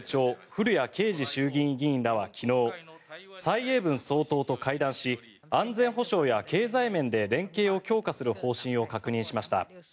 古屋圭司衆議院議員らは昨日蔡英文総統と会談し安全保障や経済面で連携を強化する方針を確認しました。